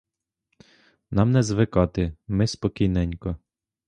Нам не звикати, ми спокійненько.